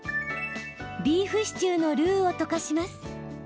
ビーフシチューのルーを溶かします。